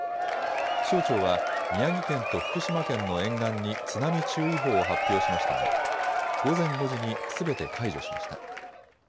気象庁は宮城県と福島県の沿岸に津波注意報を発表しましたが午前５時にすべて解除しました。